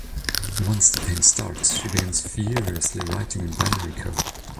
Once the pain starts she begins furiously writing in binary code.